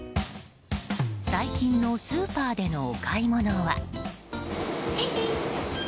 最近のスーパーでのお買い物は。